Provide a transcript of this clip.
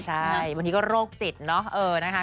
ใช่วันนี้ก็โรคจิตเนอะนะคะ